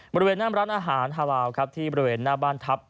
บริเวณหน้ามร้านอาหารฮาลาวครับที่บริเวณหน้าบ้านทัพ